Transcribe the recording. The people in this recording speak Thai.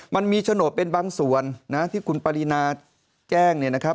มันมีโฉนดเป็นบางส่วนนะที่คุณปรินาแจ้งเนี่ยนะครับ